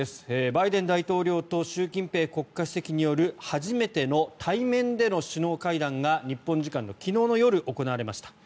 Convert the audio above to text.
バイデン大統領と習近平国家主席による初めての対面での首脳会談が日本時間の昨日の夜行われました。